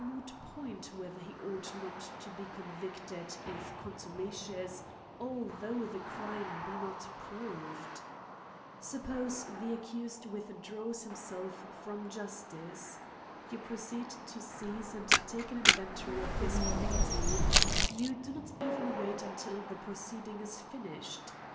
2o t point, whether he ought not to be convicted if contumacious, although the crime be not proved* Suppose the accused withdraws himself from justice : you proceed to seize and take an inven tory of his property : you do not even wait un til the proceeding is finished.